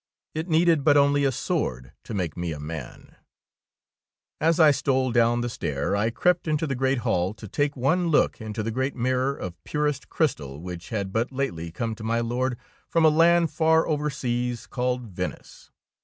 It needed but only a sword to make me a man ! As I stole down the stair, I crept into the great hall to take one look into the great mirror of purest crystal which had but lately come to my Lord from a land far over seas, called Venice.